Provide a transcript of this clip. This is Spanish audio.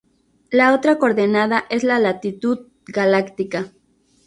La otra coordenada es la latitud galáctica.